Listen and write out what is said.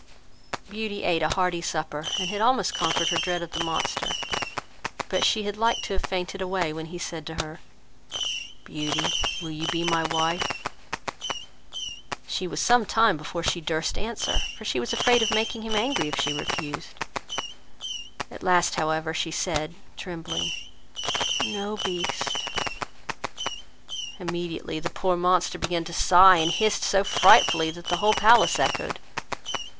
Beauty ate a hearty supper, and had almost conquered her dread of the monster; but she had liked to have fainted away, when he said to her, "Beauty, will you be my wife?" She was some time before she durst answer; for she was afraid of making him angry, if she refused. At last, however, she said, trembling, "No, Beast." Immediately the poor monster began to sigh, and hissed so frightfully, that the whole palace echoed.